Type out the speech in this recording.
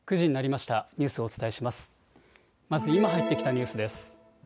まず今入ってきたニュースです。